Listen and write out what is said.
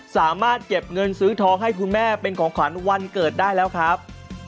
สามารถเก็บเงินซื้อทองให้คุณแม่เป็นของขวัญวันเกิดได้แล้วครับ